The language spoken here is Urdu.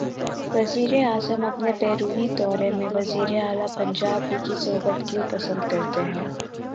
وزیراعظم اپنے بیرونی دورے میں وزیر اعلی پنجاب ہی کی صحبت کیوں پسند کرتے ہیں؟